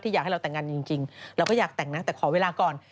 อยากให้เราแต่งงานจริงเราก็อยากแต่งนะแต่ขอเวลาก่อน